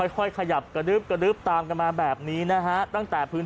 ค่อยขยับกระดื๊บกระดื๊บตามกันมาแบบนี้นะฮะตั้งแต่พื้น